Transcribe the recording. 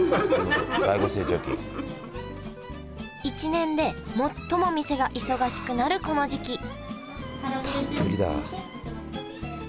１年で最も店が忙しくなるこの時期たっぷりだ。